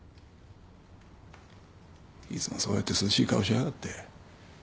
いつもそうやって涼しい顔しやがって。